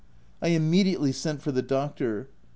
— I immediately sent for the doctor.